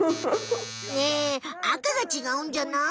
ねえあかがちがうんじゃない？